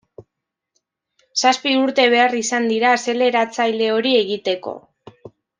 Zazpi urte behar izan dira azeleratzaile hori egiteko.